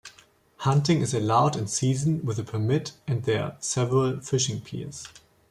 Hunting is allowed in season with a permit and there are several fishing piers.